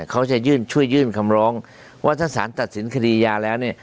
เขาจะช่วยยื่นคำระโรงว่าถ้าสารตัดสินคดียาแล้ว